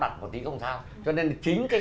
trong chiến khu d